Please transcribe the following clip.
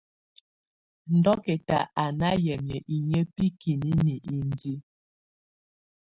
Dokɛta á nà yamɛ̀á inƴǝ́ bikinini indiǝ.